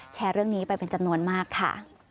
จะเป็นจำนวนมากค่ะ